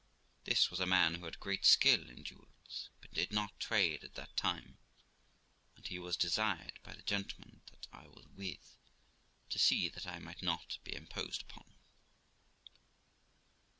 This was a man who had great skill in jewels, but did not trade at that time, and he was desired by the gentleman that I was with to see that I might not be imposed upon.